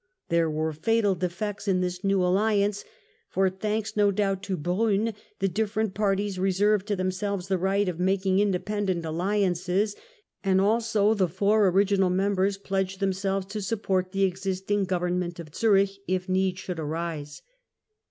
There were fatal defects in this new alhance ; for, thanks no doubt to Brun, the different parties reserved to them selves the right of making independent alliances, and also the four original members pledged themselves to support the existing government of Zurich if need should arise.